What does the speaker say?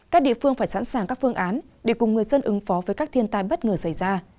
các địa phương phải sẵn sàng các phương án để cùng người dân ứng phó với các thiên tai bất ngờ xảy ra